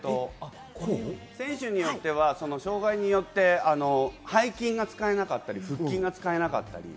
選手によっては背筋が使えなかったり腹筋が使えなかったり。